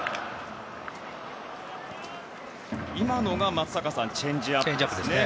今のが松坂さんチェンジアップでしたね。